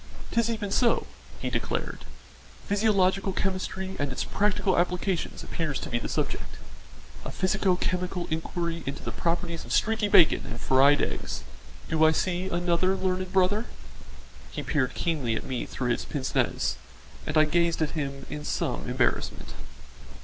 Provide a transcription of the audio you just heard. "'Tis even so," he declared. "Physiological chemistry and its practical applications appears to be the subject. A physico chemical inquiry into the properties of streaky bacon and fried eggs. Do I see another learned brother?" He peered keenly at me through his pince nez, and I gazed at him in some embarrassment.